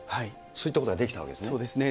そういったことができたわけですそうですね。